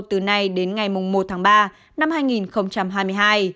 từ nay đến ngày một tháng ba năm hai nghìn hai mươi hai